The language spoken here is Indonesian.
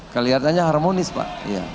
kelihatannya harmonis pak